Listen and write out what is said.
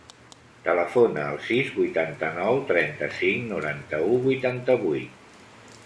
Telefona al sis, vuitanta-nou, trenta-cinc, noranta-u, vuitanta-vuit.